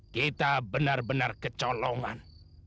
kita benar benar kecolongan